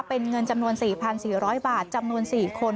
เป็นเงินจำนวน๔๔๐๐บาทจำนวน๔คน